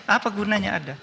apa gunanya ada